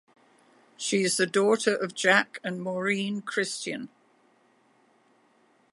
She is the daughter of Jack and Maureen Christian.